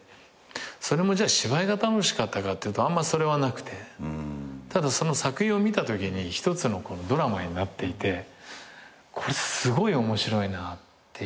それも芝居が楽しかったかっていうとあんまそれはなくてただその作品を見たときに一つのドラマになっていてこれすごい面白いなっていう。